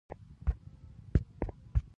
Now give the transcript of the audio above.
باز د اسمان شاه دی